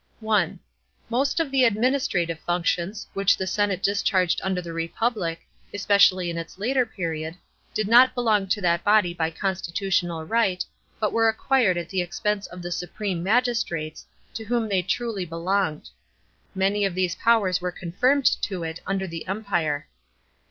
(1) Most of the administrative functions, which the senate dis charged under the Kepublic, especially hi its later period, did not belong to that body by constitutional right, but were acquired at the expense of the supreme magistrates, to whom they truly belonged. Many of these powers were confirmed to it under the Empire.